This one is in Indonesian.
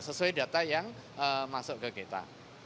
sesuai data yang masuk ke kita